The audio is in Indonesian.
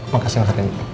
makasih mas rendy